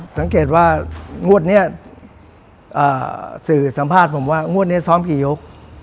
สังเกตว่างวดนี้สื่อสัมภาษณ์ผมว่างวดนี้ซ้อมกี่ยก